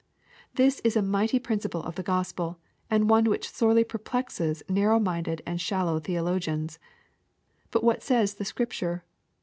This is a mighty principle of the Gospel, and one which sorely perplexes narrow minded and shallow theologiana. But what says the Bcripture